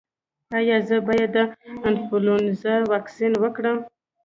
ایا زه باید د انفلونزا واکسین وکړم؟